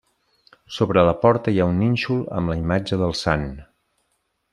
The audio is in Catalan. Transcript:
Sobre la porta hi ha un nínxol amb la imatge del sant.